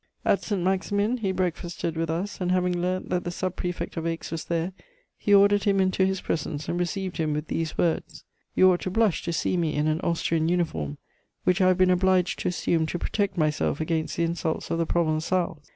"At Saint Maximin he breakfasted with us, and having learnt that the sub prefect of Aix was there, he ordered him into his presence, and received him with these words: "'You ought to blush to see me in an Austrian uniform, which I have been obliged to assume to protect myself against the insults of the Provençals.